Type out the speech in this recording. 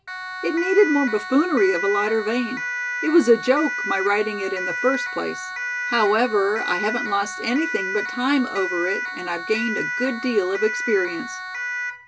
It needed more buffoonery of a lighter vein. It was a joke, my writing it in the first place. However, I haven't lost anything but time over it, and I've gained a good deal of experience."